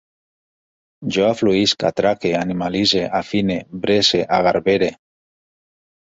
Jo afluïsc, atraque, animalitze, afine, bresse, agarbere